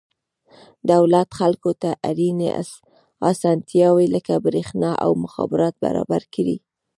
دولت خلکو ته اړینې اسانتیاوې لکه برېښنا او مخابرات برابر کړي.